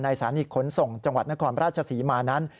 สถานีขนส่งจังหวัดนครราชศรีมานั้น